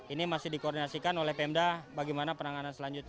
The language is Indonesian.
ini masih dikoordinasikan oleh pemda bagaimana penanganan selanjutnya